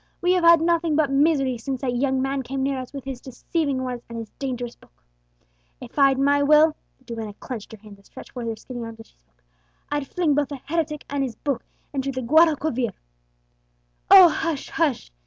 We have had nothing but misery since that young man came near us with his deceiving words and his dangerous book! If I'd my will" the duenna clenched her hands and stretched forth her skinny arms as she spoke "I'd fling both the heretic and his book into the Guadalquivir!" "Oh! hush! hush!"